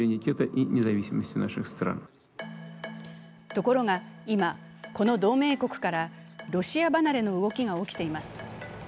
ところが今、この同盟国からロシア離れの動きが起きています。